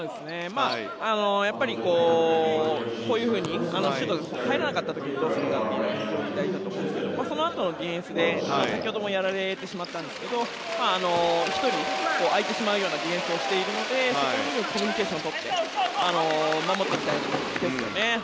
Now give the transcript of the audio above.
やっぱりこういうふうにシュートが入らなかった時にどうするかも非常に大事だと思うんですがそのあとのディフェンスで先ほどもやられてしまったんですが１人空いてしまうようなディフェンスをしているのでそこの部分コミュニケーションを取って守っていきたいですよね。